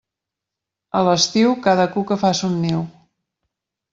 A l'estiu, cada cuca fa son niu.